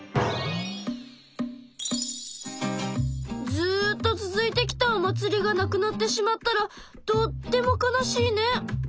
ずっと続いてきたお祭りがなくなってしまったらとっても悲しいね。